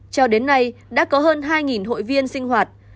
cho đến nay đã có hơn hai hội viên sinh hoạt